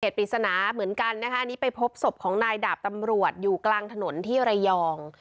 ปริศนาเหมือนกันนะคะอันนี้ไปพบศพของนายดาบตำรวจอยู่กลางถนนที่ระยอง